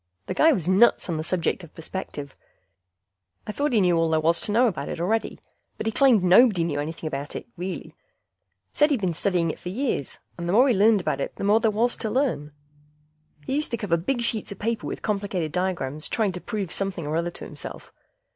The guy was nuts on the subject of perspective. I thought he knew all there was to know about it already, but he claimed nobody knew anything about it, really. Said he'd been studying it for years, and the more he learned about it the more there was to learn. He used to cover big sheets of paper with complicated diagrams trying to prove something or other to himself.